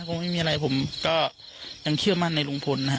คงไม่มีอะไรผมก็ยังเชื่อมั่นในลุงพลนะฮะ